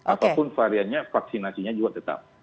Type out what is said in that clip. apapun variannya vaksinasinya juga tetap